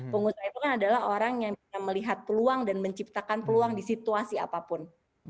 pengusaha itu kan adalah orang yang bisa melihat peluang dan menciptakan peluang di situasi apapun